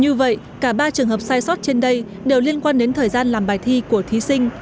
như vậy cả ba trường hợp sai sót trên đây đều liên quan đến thời gian làm bài thi của thí sinh